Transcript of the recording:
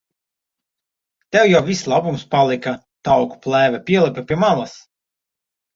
Tev jau viss labums palika. Tauku plēve pielipa pie malas.